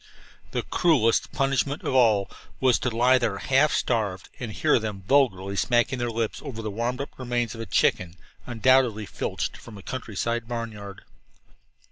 The cruelest punishment of all was to lie there half starved and hear them vulgarly smacking their lips over the warmed up remains of a chicken undoubtedly filched from a countryside barnyard.